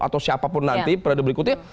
atau siapapun nanti periode berikutnya